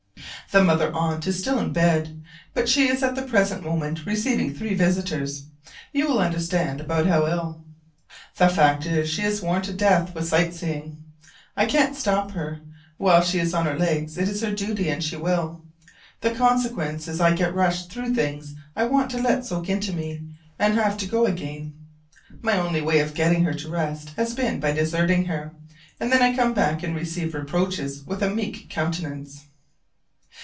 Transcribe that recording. The Mother Aunt is ill in bed; but as she is at the present moment receiving three visitors, you will understand about how ill. The fact is, she is worn to death with sight seeing. I can't stop her; while she is on her legs it is her duty, and she will. The consequence is I get rushed through things I want to let soak into me, and have to go again. My only way of getting her to rest has been by deserting her; and then I come back and receive reproaches with a meek countenance.